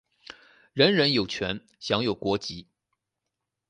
人人有权享有国籍。